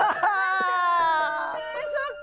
えショック！